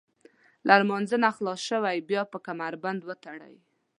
له لمانځه خلاص شوئ بیا به کمربند وتړئ.